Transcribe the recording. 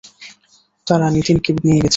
তারা নিতিনকে নিয়ে গেছে।